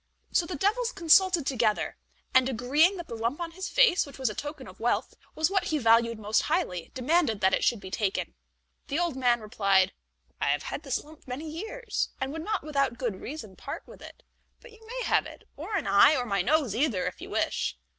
So the devils consulted together, and, agreeing that the lump on his face, which was a token of wealth, was what he valued most highly, demanded that it should be taken. The old man replied: "I have had this lump many years, and would not without good reason part with it; but you may have it, or an eye, or my nose either if you wish."